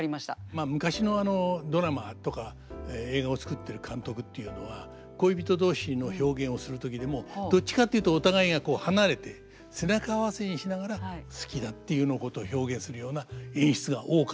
まあ昔のドラマとか映画を作ってる監督っていうのは恋人同士の表現をする時でもどっちかっていうとお互いがこう離れて背中合わせにしながら「好きだ」っていうようなことを表現するような演出が多かったです。